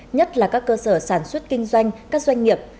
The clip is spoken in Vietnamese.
nhất là các cơ sở sản xuất kinh doanh các doanh nghiệp